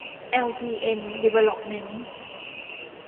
แอล พี เอ็น ดีเวลลอปเมนท์